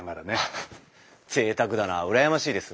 フフッぜいたくだな羨ましいです。